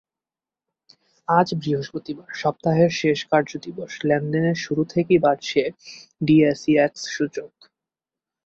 আজ বৃহস্পতিবার সপ্তাহের শেষ কার্যদিবস লেনদেনের শুরু থেকেই বাড়ছে ডিএসইএক্স সূচক।